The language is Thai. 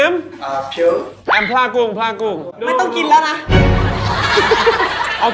ไม่ต้องกินแล้วนะ